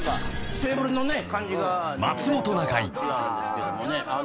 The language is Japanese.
テーブルの感じが違う。